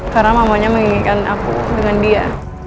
karena mamonya menginginkan aku dengan dia